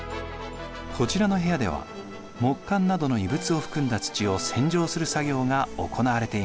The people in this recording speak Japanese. こちらの部屋では木簡などの遺物を含んだ土を洗浄する作業が行われています。